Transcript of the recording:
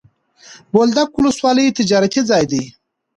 بولدک ولسوالي تجارتي ځای دی.